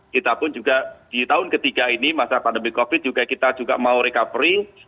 kita pun juga di tahun ketiga ini masa pandemi covid juga kita juga mau recovery